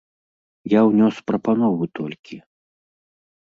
Я ўнёс прапанову толькі.